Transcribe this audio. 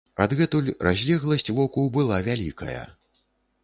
Адгэтуль разлегласць воку была вялікая.